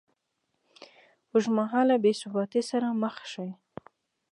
ه اوږدمهاله بېثباتۍ سره مخ شي